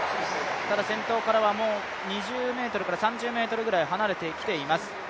ただ先頭からは２０３０ｍ離れてきています。